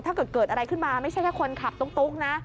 ถ้าเกิดเกิดอะไรขึ้นมาไม่ใช่แค่คนขับตุ๊กนะ